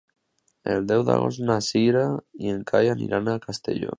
El deu d'agost na Cira i en Cai aniran a Castelló.